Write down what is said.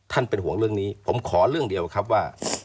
เป็นห่วงเรื่องนี้ผมขอเรื่องเดียวครับว่า